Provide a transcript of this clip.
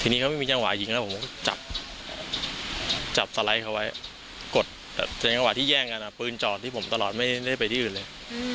ทีนี้เขาไม่มีจังหวะยิงแล้วผมก็จับสไลด์เขาไว้กดแต่จังหวะที่แย่งกันปืนจอดที่ผมตลอดไม่ได้ไปที่อื่นเลย